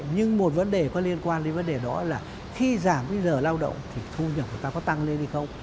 nhưng một vấn đề có liên quan đến vấn đề đó là khi giảm bây giờ lao động thì thu nhập của ta có tăng lên hay không